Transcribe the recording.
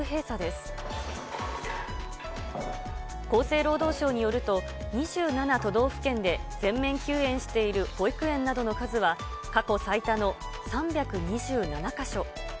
厚生労働省によると、２７都道府県で全面休園している保育園などの数は、過去最多の３２７か所。